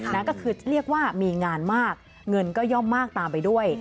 นั่นก็คือเรียกว่ามีงานมากเงินก็ย่อมมากตามไปด้วย